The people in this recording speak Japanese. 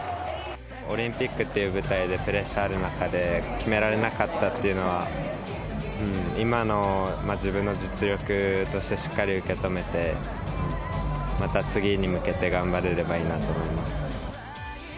オリンピックっていう舞台でプレッシャーある中で、決められなかったというのは、今の自分の実力としてしっかり受け止めて、また次に向けて頑張れればいいなと思います。